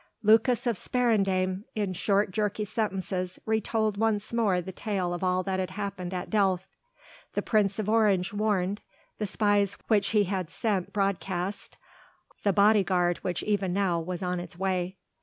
Lucas of Sparendam in short jerky sentences retold once more the tale of all that had happened at Delft: the Prince of Orange warned, the spies which he had sent broadcast, the bodyguard which even now was on its way.